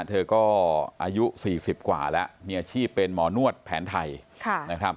เธอก็อายุ๔๐กว่าแล้วมีอาชีพเป็นหมอนวดแผนไทยนะครับ